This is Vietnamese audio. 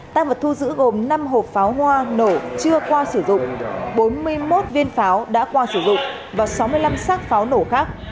tăng vật thu giữ gồm năm hộp pháo hoa nổ chưa qua sử dụng bốn mươi một viên pháo đã qua sử dụng và sáu mươi năm xác pháo nổ khác